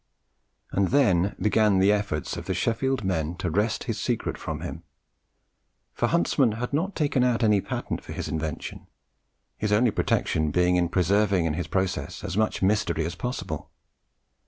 And then began the efforts of the Sheffield men to wrest his secret from him. For Huntsman had not taken out any patent for his invention, his only protection being in preserving his process as much a mystery as possible.